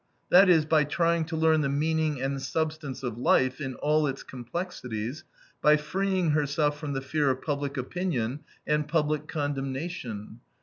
That is, by trying to learn the meaning and substance of life in all its complexities, by freeing herself from the fear of public opinion and public condemnation.